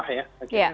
akhirnya kalah ya